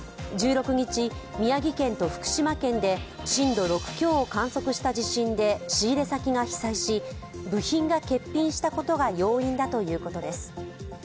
１６日、宮城県と福島県で震度６強を観測した地震で仕入れ先が被災し、部品が欠品したことが要因だということです。